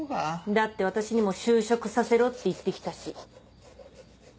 だって私にも就職させろって言ってきたし。